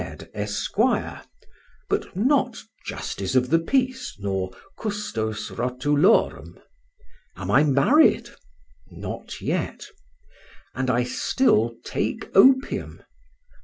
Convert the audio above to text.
Esquire, but not justice of the Peace nor Custos Rotulorum. Am I married? Not yet. And I still take opium?